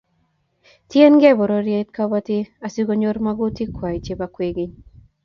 Tiegei pororiet kobotik asikonyor magutik kwai chebo kwekeny